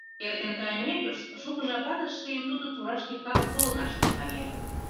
Эртен кайымекышт, шуко жапат ыш лий, тудо турашке калык погынаш тӱҥале.